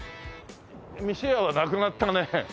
店屋はなくなったね。